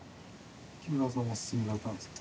木村さんもすすめられたんですか？